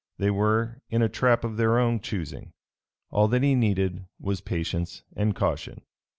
They were in a trap of their own choosing. All that he needed was patience and caution.